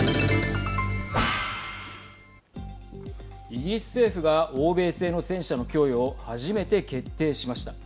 イギリス政府が欧米製の戦車の供与を初めて決定しました。